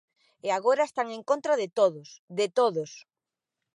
E agora están en contra de todos, de todos.